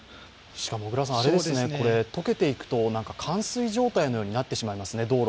しかもこれ、解けていくと冠水状態のようになってしまいますね。